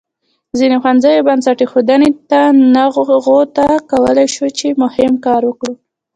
ځینو ښوونځیو بنسټ ایښودنې ته نغوته کولای شو چې مهم کار و.